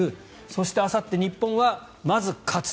そして、あさって日本はまず勝つ。